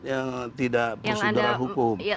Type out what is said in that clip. yang tidak bersyukur hukum